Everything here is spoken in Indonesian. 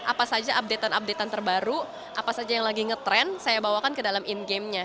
apa saja update an update an terbaru apa saja yang lagi ngetrend saya bawakan ke dalam in gamenya